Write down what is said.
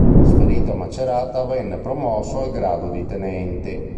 Trasferito a Macerata venne promosso al grado di Tenente.